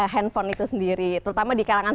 handphone itu sendiri terutama di kalangan